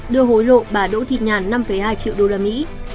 đưa hối lộ bà đỗ thịt nhàn năm hai triệu usd